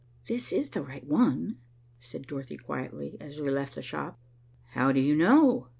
"This is the right one," said Dorothy quietly, as we left the shop. "How do you know?"